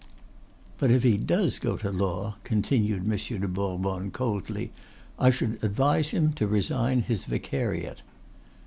"But if he does go to law," continued Monsieur de Bourbonne, coldly, "I should advise him to resign his vicariat."